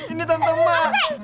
ini tentang ma